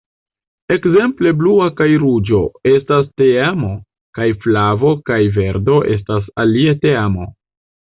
Ekzemple Blua kaj Ruĝo estas teamo, kaj Flavo kaj Verdo estas alia teamo.